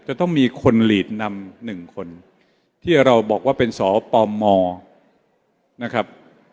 จะต้องมีคนหลีดนำหนึ่งคนที่เราบอกว่าเป็นสปมนะครับ